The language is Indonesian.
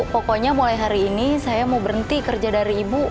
pokoknya mulai hari ini saya mau berhenti kerja dari ibu